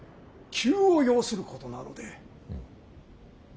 急を要することなので。